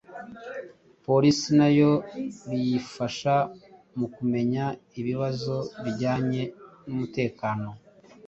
Polisi nayo biyifasha mu kumenya ibibazo bijyanye n’umutekano